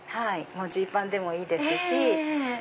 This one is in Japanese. ジーパンでもいいですし。